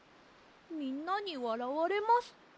みんなにわらわれます。